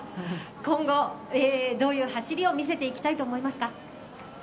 今後どういう走りを見せていきたいと思いますか。